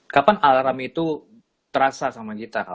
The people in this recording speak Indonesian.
kapan alarm itu terasa sama kita